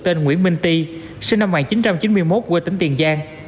tên nguyễn minh ti sinh năm một nghìn chín trăm chín mươi một quê tỉnh tiền giang